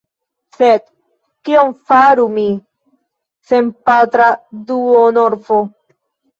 Sed kion faru mi, senpatra duonorfo?